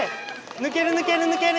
抜ける抜ける抜ける！